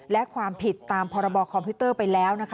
และความผิดตามพรบคอมพิวเตอร์ไปแล้ว